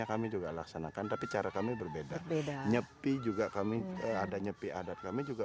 kami juga laksanakan tapi cara kami berbeda beda nyepi juga kami ada nyepi adat kami juga